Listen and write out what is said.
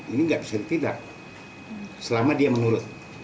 ini nggak bisa ditindak selama dia menurut